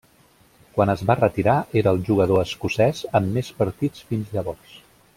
Quan es va retirar era el jugador escocès amb més partits fins llavors.